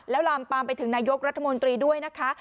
แล้วลามปามไปถึงนายกรัฐมนตรีด้วยนะคะ